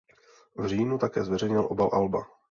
V říjnu také zveřejnil obal alba.